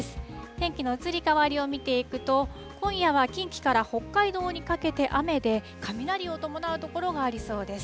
天気の移り変わりを見ていくと、今夜は近畿から北海道にかけて雨で、雷を伴う所がありそうです。